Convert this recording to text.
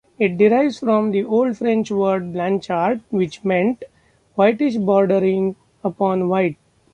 It derives from the Old French word "blanchart" which meant "whitish, bordering upon white".